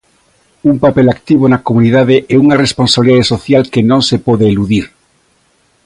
Un papel activo na comunidade e unha responsabilidade social que non se pode eludir.